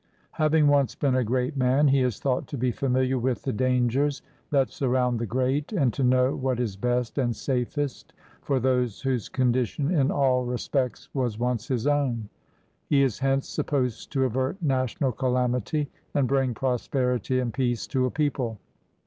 Having once been a great man, he is thought to be familiar with the dangers that surround the great, and to know what is best and safest for those whose condition in all respects was once his own. He is hence supposed to avert national calamity, and bring prosperity and peace to a people.